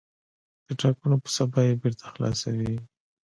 د ټاکنو په سبا یې بېرته خلاصوي.